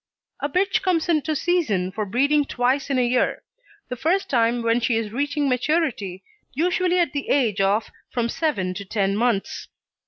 A bitch comes into season for breeding twice in a year; the first time when she is reaching maturity, usually at the age of from seven to ten months.